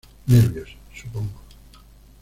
Nervios, supongo.